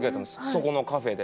そこのカフェで。